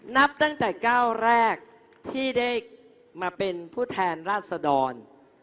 นับตั้งแต่ก้าวแรกที่ได้มาเป็นผู้แทนราชดร